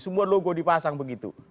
semua logo dipasang begitu